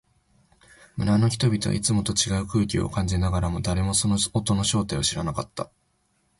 村の人々はいつもと違う空気を感じながらも、誰もその音の正体を知らなかった。